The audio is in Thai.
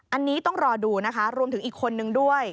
อันนี้ต้องรอดูนะคะรวมถึงอีกคนนึงด้วย